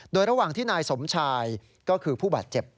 โดยระหว่างที่นายสมชายก็คือผู้บาดเจ็บ